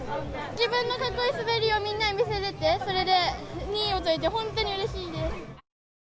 自分のかっこいい滑りをみんなに見せれて、それで２位を取れて、本当にうれしいです。